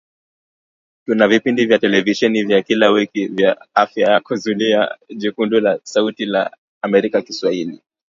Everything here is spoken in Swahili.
tuna vipindi vya televisheni vya kila wiki vya Afya Yako Zulia Jekundu na sauti ya Amerika Kiswahili